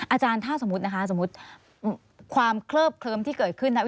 อาจารย์ถ้าสมมุตินะคะสมมุติความเคลิบเคลิ้มที่เกิดขึ้นนะ